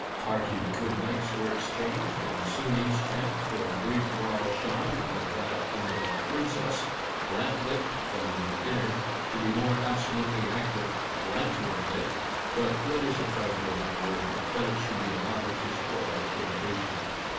Hearty "good nights" were exchanged, and soon each tent for a brief while shone, like that in the " Princess," " lamp lit from the inner," — to be more absolutely accurate, lantern lit; but what is a trifle of one word, that it should be allowed to spoil a quotation